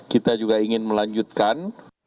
kita juga ingin melanjutkan